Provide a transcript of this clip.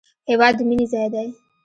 هېواد د مینې ځای دی